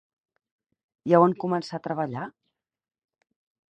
I a on començà a treballar?